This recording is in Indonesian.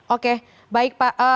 oke baik pak